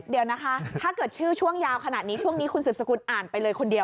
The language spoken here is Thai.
เดี๋ยวนะคะถ้าเกิดชื่อช่วงยาวขนาดนี้ช่วงนี้คุณสืบสกุลอ่านไปเลยคนเดียว